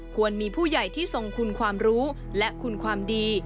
ควรมีผู้ใหญ่ที่ทรงคุณความรู้และคุณความดี